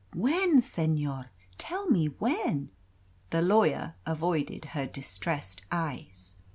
When, senor? Tell me when." The lawyer avoided her distressed eyes.